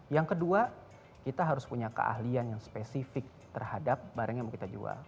yang kedua kita harus punya keahlian yang spesifik terhadap barang yang mau kita jual